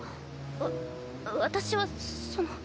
わ私はその。